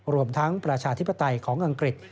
รวมทั้งประชาธิปไตยของอังกฤษ